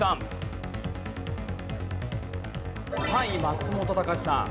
３位松本隆さん。